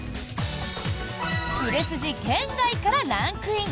売れ筋圏外からランクイン！